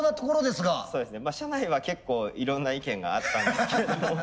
社内は結構いろんな意見があったんですけれども。